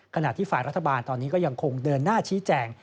ขณะที่ฝ่ายรัฐบาลตอนนี้ก็ยังคงเดินหน้าชี้แจง